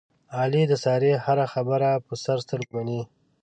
علي د سارې هره خبره په سر سترګو مني.